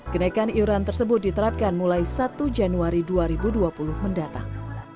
kenaikan iuran tersebut diterapkan mulai satu januari dua ribu dua puluh mendatang